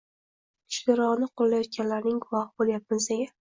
kuchlirog‘ini qo‘llayotganlarining guvohi bo‘lyapmiz. Nega?